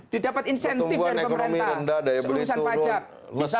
didapat insentif dari pemerintah